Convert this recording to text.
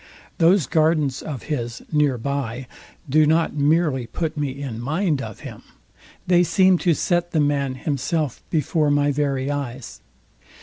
Those gardens of his near by do not merely put me in mind of him; they seem to set the man himself before my very eyes.